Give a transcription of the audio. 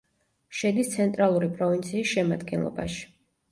შედის ცენტრალური პროვინციის შემადგენლობაში.